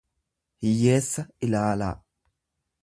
hiyyeessa ilaalaa.